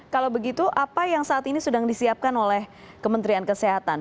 kalau begitu apa yang saat ini sedang disiapkan oleh kementerian kesehatan